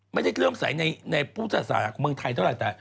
ไม่ได้เริ่มใสในภูมิศาสนาของเมืองไทยเท่าไหร่